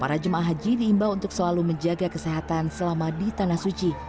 para jemaah haji diimbau untuk selalu menjaga kesehatan selama di tanah suci